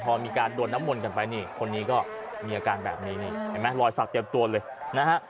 พอมีการโดนน้ำมนต์กันไปนี่คนนี้ก็มีอาการแบบนี้นี่เห็นไหมรอยสักเตรียมตัวเลยนะฮะ